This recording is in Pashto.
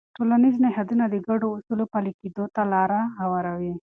ټولنیز نهادونه د ګډو اصولو پلي کېدو ته لاره هواروي.